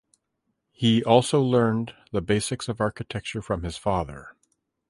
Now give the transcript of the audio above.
He also learned the basics of architecture from his father.